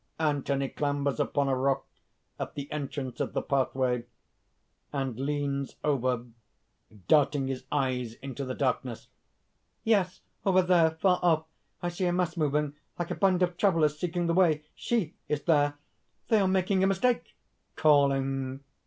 (Anthony clambers upon a rock at the entrance of the pathway, and leans over, darting his eyes into the darkness.) "Yes! over there, far off I see a mass moving, like a band of travellers seeking the way. She is there!... They are making a mistake." (_Calling.